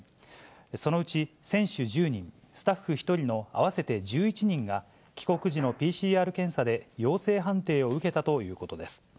そのうち選手１０人、スタッフ１人の合わせて１１人が、帰国時のＰＣＲ検査で陽性判定を受けたということです。